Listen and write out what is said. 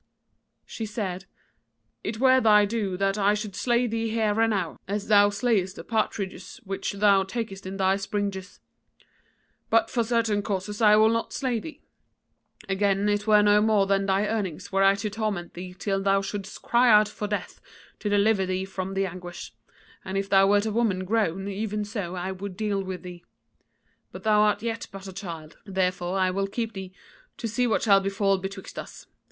"She said: 'It were thy due that I should slay thee here and now, as thou slayest the partridges which thou takest in thy springes: but for certain causes I will not slay thee. Again, it were no more than thy earnings were I to torment thee till thou shouldst cry out for death to deliver thee from the anguish; and if thou wert a woman grown, even so would I deal with thee. But thou art yet but a child, therefore I will keep thee to see what shall befall betwixt us.